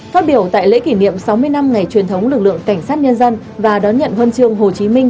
phát biểu tại lễ kỷ niệm sáu mươi năm ngày truyền thống lực lượng cảnh sát nhân dân và đón nhận huân chương hồ chí minh